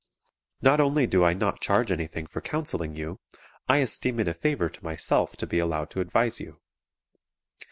Not only do I not charge anything for counseling you, I esteem it a favor to myself to be allowed to advise you.